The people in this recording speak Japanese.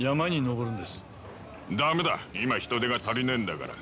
だめだ今人手が足りないんだから。